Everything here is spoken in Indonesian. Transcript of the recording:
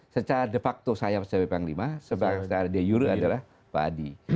secara de facto saya menjadi panglima sebab secara de jure adalah pak hadi